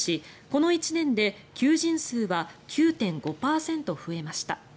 この１年で求人数は９．５％増えました。